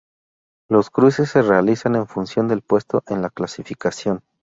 Los cruces se realizan en función del puesto en la clasificación.